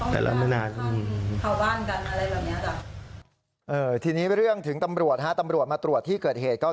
กลัวเขาจะเป็นอะไรไปเพราะเราไม่รู้สาเหตุว่า